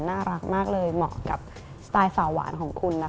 น่ารักมากเลยเหมาะกับสไตล์สาวหวานของคุณนะคะ